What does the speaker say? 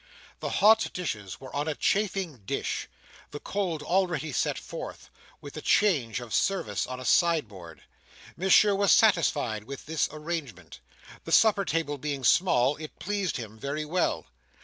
The hot dishes were on a chafing dish; the cold already set forth, with the change of service on a sideboard. Monsieur was satisfied with this arrangement. The supper table being small, it pleased him very well.